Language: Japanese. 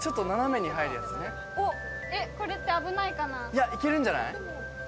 いや、いけるんじゃない。